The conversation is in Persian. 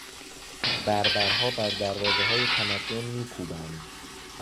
بربرها بر دروازههای تمدن میکوبند.